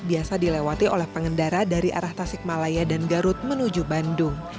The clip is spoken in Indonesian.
biasa dilewati oleh pengendara dari arah tasikmalaya dan garut menuju bandung